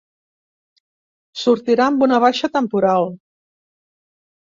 Sortirà amb una baixa temporal.